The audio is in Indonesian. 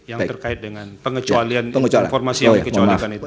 yang terkait dengan pengecualian informasi yang dikecualikan itu